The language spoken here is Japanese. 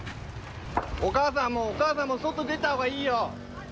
お母さん、もう、お母さんも外出たほうがいいよ。